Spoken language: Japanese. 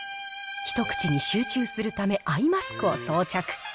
一口に集中するため、アイマスクを装着。